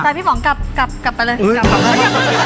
แต่พี่ฝ่องกลับกลับกลับไปเลย